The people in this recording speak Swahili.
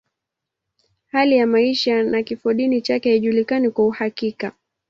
Hali ya maisha na kifodini chake haijulikani kwa uhakika.